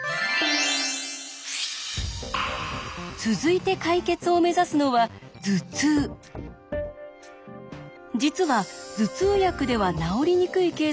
続いて解決を目指すのは実は頭痛薬では治りにくいケースが少なくありません。